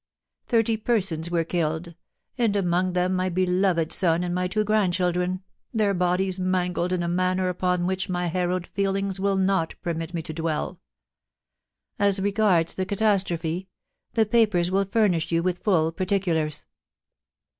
Thirty persons were killed, and among them my beloved 334 POLICY AND PASSION, son and my two grandchildren, their bodies niangled in a manner upon which my harrowed feelings will not permit me to dwell As regards the catastrophe, the papers wiB furnish you with full particulars.